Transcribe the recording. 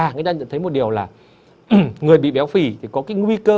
người ta nhận thấy một điều là người bị béo phì thì có cái nguy cơ